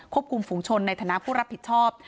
คุมฝุงชนในฐานะผู้รับผิดชอบ